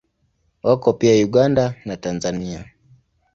Wako pia Uganda na Tanzania.